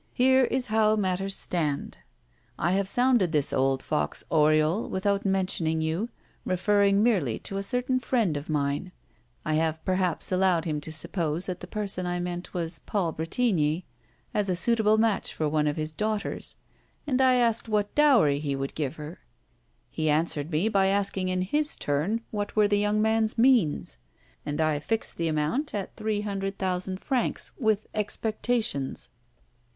Here is how matters stand: I have sounded this old fox Oriol, without mentioning you, referring merely to a certain friend of mine I have perhaps allowed him to suppose that the person I meant was Paul Bretigny as a suitable match for one of his daughters, and I asked what dowry he would give her. He answered me by asking in his turn what were the young man's means; and I fixed the amount at three hundred thousand francs with expectations."